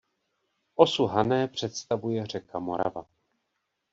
Osu Hané představuje řeka Morava.